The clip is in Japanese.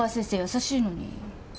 優しいのに。